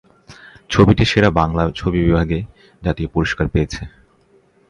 ছবিটি সেরা বাংলা ছবি বিভাগে জাতীয় পুরস্কার পেয়েছে।